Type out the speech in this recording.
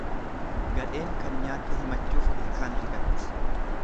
Gadheen kan nyaatte himachuuf ilkaan rigatti.